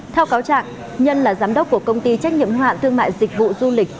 theo cáo trạng nhân là giám đốc của công ty trách nhiệm hoạn thương mại dịch vụ du lịch